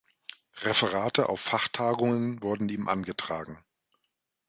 Referate auf Fachtagungen wurden ihm angetragen.